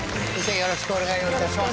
よろしくお願いします。